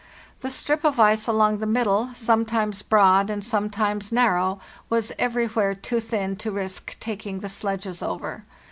The strip of ice along the middle, sometimes broad and sometimes narrow, was everywhere too thin to risk taking the sledges over.